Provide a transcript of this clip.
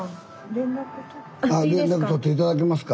あ連絡とって頂けますか？